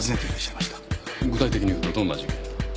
具体的にいうとどんな事件？